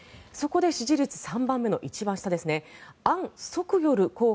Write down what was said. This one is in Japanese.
そこで支持率３番目の一番下ですね。